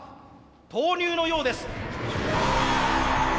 投入のようです！